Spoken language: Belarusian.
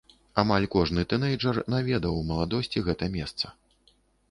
Амаль кожны тынэйджэр наведаў у маладосці гэта месца.